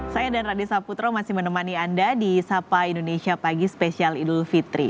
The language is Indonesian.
saya dan radi saputro masih menemani anda di sapa indonesia pagi spesial idul fitri